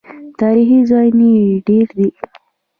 تاریخي ځایونه یې ډیر دي.